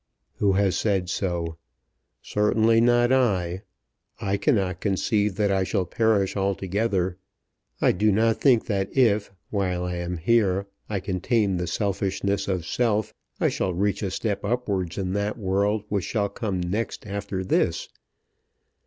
"Who has said so? Certainly not I. I cannot conceive that I shall perish altogether. I do not think that if, while I am here, I can tame the selfishness of self, I shall reach a step upwards in that world which shall come next after this.